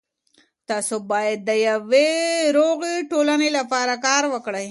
تاسو باید د یوې روغې ټولنې لپاره کار وکړئ.